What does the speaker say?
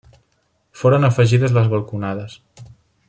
Foren afegides les balconades.